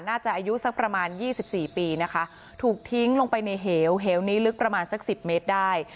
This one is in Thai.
อายุสักประมาณยี่สิบสี่ปีนะคะถูกทิ้งลงไปในเหวเหวนี้ลึกประมาณสักสิบเมตรได้